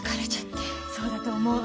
そうだと思う。